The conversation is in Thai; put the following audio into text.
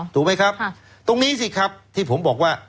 ถูกไหมครับตรงนี้สิครับที่ผมบอกว่า